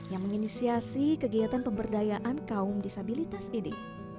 yang menginisiasi kegiatan pemberdayaan kaum disabilitas ini